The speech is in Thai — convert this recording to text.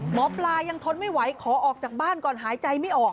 หมอปลายังทนไม่ไหวขอออกจากบ้านก่อนหายใจไม่ออก